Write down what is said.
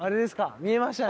見えましたね。